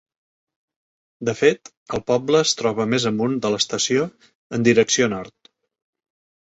De fet, el poble es troba més amunt de l'estació en direcció nord.